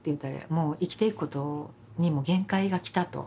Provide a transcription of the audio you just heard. もう生きていくことにも限界が来たと。